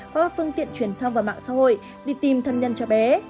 qua phương tiện truyền thông vào mạng xã hội đi tìm thân nhân cho bé